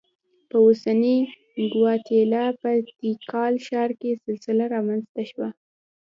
په اوسنۍ ګواتیلا په تیکال ښار کې سلسله رامنځته شوه.